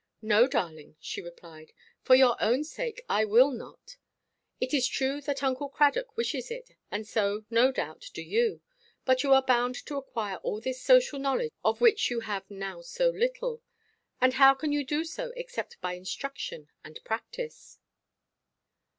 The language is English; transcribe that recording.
"No, darling," she replied, "for your own sake I will not. It is true that Uncle Cradock wishes it, and so, no doubt, do you; but you are bound to acquire all this social knowledge of which you have now so little; and how can you do so except by instruction and practice?"